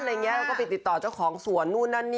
เราก็ไปติดต่อเครื่องของสวน